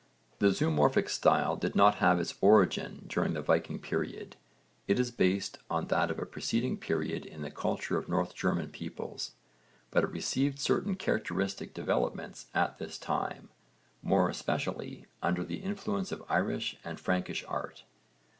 The zoomorphic style did not have its origin during the Viking period. It is based on that of a preceding period in the culture of the North German peoples, but it received certain characteristic developments at this time, more especially under the influence of Irish and Frankish art.